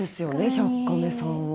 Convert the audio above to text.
「１００カメ」さんは。